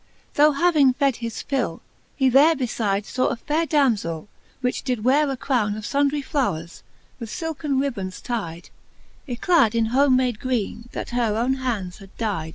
Tho having fed his fill, he there befyde I Sawe a faire damzell, which did weare a crowne Of fundry flowres, with filken ribbands tyde. \ Yclad in home made greene, that her owne hands had dyde.